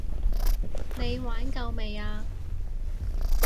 你玩夠未啊？